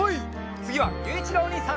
つぎはゆういちろうおにいさん！